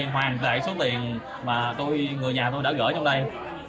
hoàn lại số tiền mà người nhà tôi đã gửi trong đây